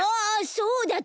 そうだった。